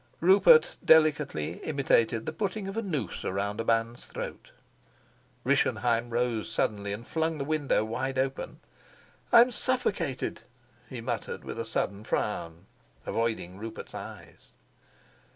Rupert delicately imitated the putting of a noose about a man's throat. Rischenheim rose suddenly and flung the window open wide. "I'm suffocated," he muttered with a sullen frown, avoiding Rupert's eyes.